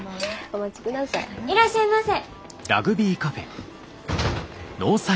いらっしゃいませ。